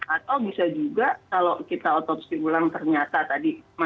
atau bisa juga kalau kita otopsi ulang ternyata tadi mayatnya sudah mengalami penyebab